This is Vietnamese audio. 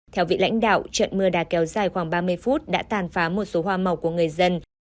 theo vị lãnh đạo trận mưa đá kéo dài khoảng ba mươi phút đã tàn phá một số hoa màu của người dân